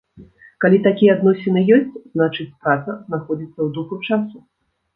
Калі такія адносіны ёсць, значыць, праца знаходзіцца ў духу часу.